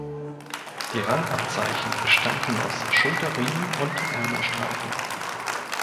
Die Rangabzeichen bestanden aus Schulterriemen und Ärmelstreifen.